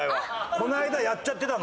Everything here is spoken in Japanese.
この間やっちゃってたの。